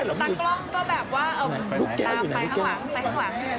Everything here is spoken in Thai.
ตากล้องก็แบบว่าตามไปข้างหลังลูกแก้วอยู่ไหนลูกแก้ว